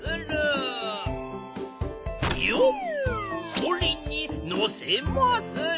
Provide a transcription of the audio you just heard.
そりにのせまする。